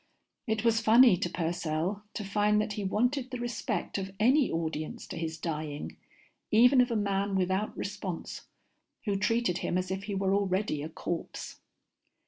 It was funny to Purcell to find that he wanted the respect of any audience to his dying, even of a man without response who treated him as if he were already a corpse.